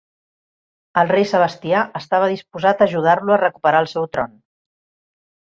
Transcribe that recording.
El rei Sebastià estava disposat a ajudar-lo a recuperar el seu tron.